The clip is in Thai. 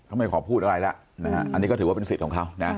อันนี้ก็ถือเป็นสิทธิ์ของเขา